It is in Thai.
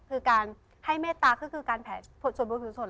คือการให้เมตตาก็คือการแผ่ส่วนบุญผิวสน